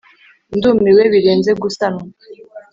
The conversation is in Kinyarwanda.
ndumiwe birenze gusanwa;